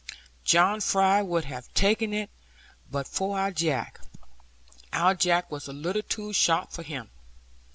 John Fry would have taken it, but for our Jack. Our Jack was a little too sharp for him.'